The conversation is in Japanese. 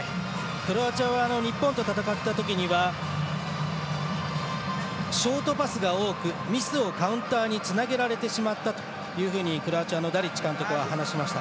クロアチアは日本と戦ったときショートパスが多くミスをカウンターにつなげられてしまったとクロアチアのダリッチ監督は話しました。